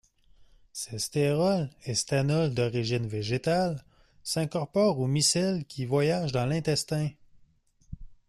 Ces stérols et stanols d'origine végétale s'incorporent aux micelles qui voyagent dans l'intestin.